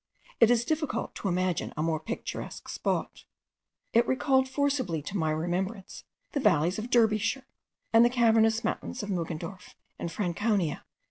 It is difficult to imagine a more picturesque spot. It recalled forcibly to my remembrance the valleys of Derbyshire, and the cavernous mountains of Muggendorf, in Franconia.